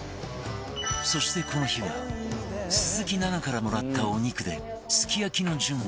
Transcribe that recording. そしてこの日は鈴木奈々からもらったお肉ですき焼きの準備